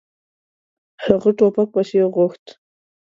هغه ټوپک پسې غوښت.